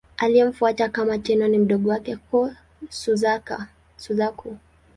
Aliyemfuata kama Tenno ni mdogo wake, Go-Suzaku.